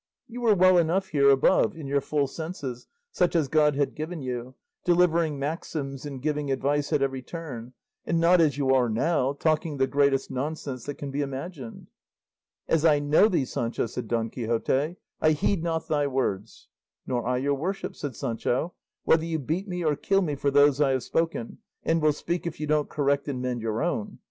You were well enough here above in your full senses, such as God had given you, delivering maxims and giving advice at every turn, and not as you are now, talking the greatest nonsense that can be imagined." "As I know thee, Sancho," said Don Quixote, "I heed not thy words." "Nor I your worship's," said Sancho, "whether you beat me or kill me for those I have spoken, and will speak if you don't correct and mend your own.